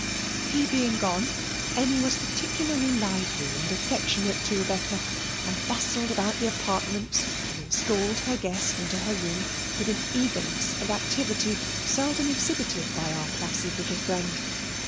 He being gone, Emmy was particularly lively and affectionate to Rebecca, and bustled about the apartments and installed her guest in her room with an eagerness and activity seldom exhibited by our placid little friend.